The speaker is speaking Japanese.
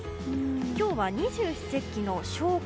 今日は二十四節気の小寒。